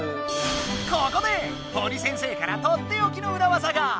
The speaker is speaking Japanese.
ここでホリ先生からとっておきのうらわざが！